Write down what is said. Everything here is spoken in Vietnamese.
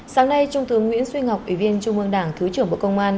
sáng nay trung tướng nguyễn duy ngọc ủy viên trung ương đảng thứ trưởng bộ công an